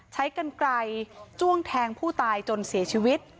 ใช้กันไกลจ้วงแทงผู้ตายจนเสียชีวิต